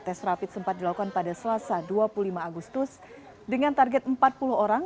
tes rapid sempat dilakukan pada selasa dua puluh lima agustus dengan target empat puluh orang